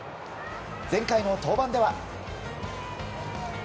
前回の登板では。